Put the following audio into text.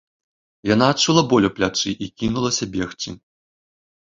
Яна адчула боль у плячы і кінулася бегчы.